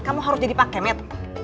kamu harus jadi pak kemet